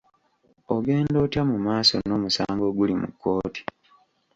Ogenda otya mu maaso n'omusango oguli mu kkooti?